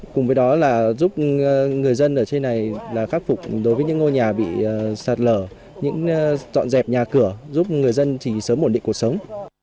cùng với đó là giúp người dân ở trên này khắc phục đối với những ngôi nhà bị sạt lở những dọn dẹp nhà cửa giúp người dân sớm ổn định cuộc sống